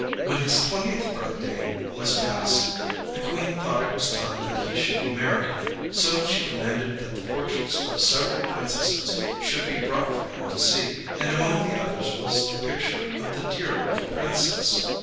When his twentieth birthday was passed the Queen thought it was time that he should be married, so she commanded that the portraits of several princesses should be brought for him to see, and among the others was a picture of the Dear Little Princess!